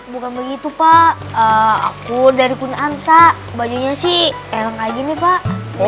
bukan begitu pak aku dari kun'anta bajunya sih yang kayak gini pak